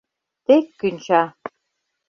Тек кӱнча.